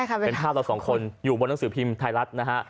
เป็นภาพเราสองคนอยู่บนหนังสือพิมพ์ไทยรัฐนะฮะ